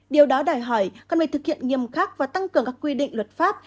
điều đó đòi hỏi cần phải thực hiện nghiêm khắc và tăng cường các quy định luật pháp